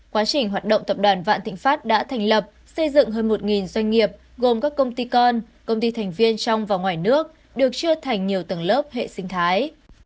quá trình hoạt động tập đoàn vạn thịnh pháp đã thành lập xây dựng hơn một doanh nghiệp gồm các công ty con công ty thành viên trong và ngoài nước được chia thành nhiều tầng lớp hệ sinh thái